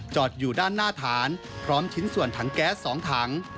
อยู่ด้านหน้าฐานพร้อมชิ้นส่วนถังแก๊ส๒ถัง